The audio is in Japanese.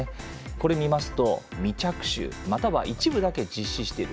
これ見ますと、未着手または一部だけ実施している。